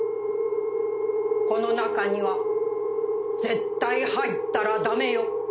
この中には絶対入ったら駄目よ。